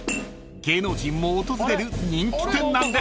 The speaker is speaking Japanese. ［芸能人も訪れる人気店なんです］